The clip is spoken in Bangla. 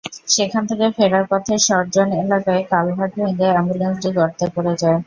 সেখান থেকে ফেরার পথে সরজন এলাকায় কালভার্ট ভেঙে অ্যাম্বুলেন্সটি গর্তে পড়ে যায়।